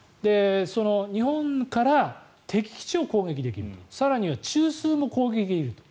日本から敵基地を攻撃できる更には、中枢も攻撃できると。